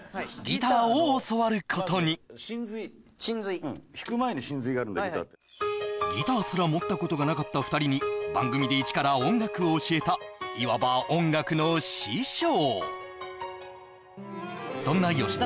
ギターってギターすら持ったことがなかった２人に番組で一から音楽を教えたいわば音楽の師匠